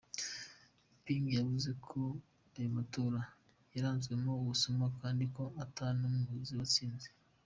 Ping yavuze ko ayo matora yaranzwemwo ubusuma kandi ko "ata n'umwe azi uwatsinze".